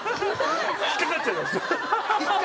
引っ掛かっちゃいました。